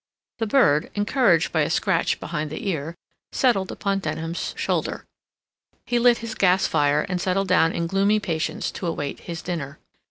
The bird, encouraged by a scratch behind the ear, settled upon Denham's shoulder. He lit his gas fire and settled down in gloomy patience to await his dinner.